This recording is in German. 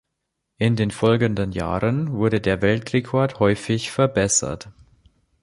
In den folgenden Jahren wurde der Weltrekord häufig verbessert.